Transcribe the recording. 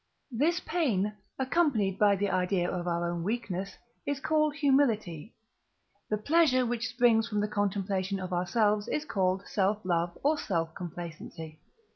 This pain, accompanied by the idea of our own weakness, is called humility; the pleasure, which springs from the contemplation of ourselves, is called self love or self complacency.